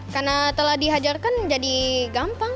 karena telah dihajarkan jadi gampang